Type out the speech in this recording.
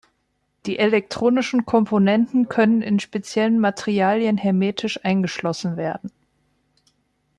Die elektronischen Komponenten können in speziellen Materialien hermetisch eingeschlossen werden.